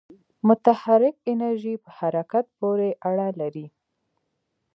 متحرک انرژی په حرکت پورې اړه لري.